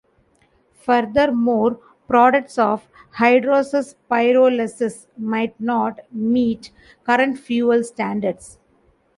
Furthermore, products of hydrous pyrolysis might not meet current fuel standards.